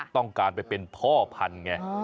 ต้องการไปเป็นพ่อพันธุ์ไง